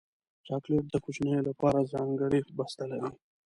چاکلېټ د کوچنیو لپاره ځانګړی بسته لري.